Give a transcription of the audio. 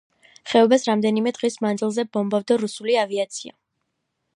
ხეობას რამდენიმე დღის მანძილზე ბომბავდა რუსული ავიაცია.